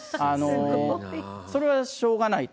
それはしょうがないと。